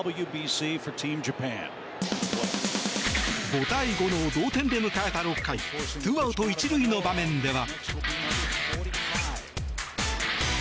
５対５の同点で迎えた６回２アウト１塁の場面では。